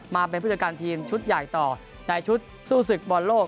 มาเป็นผู้จัดการทีมชุดใหญ่ต่อในชุดสู้ศึกบอลโลก